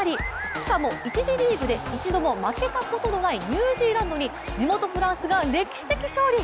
しかも、１次リーグで一度も負けたことがないニュージーランドに地元・フランスが歴史的勝利！